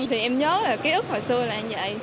thì em nhớ là cái ước hồi xưa là như vậy